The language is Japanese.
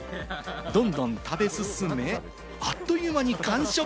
どんどん食べ進め、あっという間に完食。